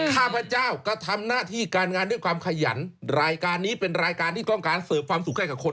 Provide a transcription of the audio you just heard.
ข้าพเจ้าก็ทำหน้าที่การงานด้วยความขยันรายการนี้เป็นรายการที่ต้องการเสิร์ฟความสุขให้กับคน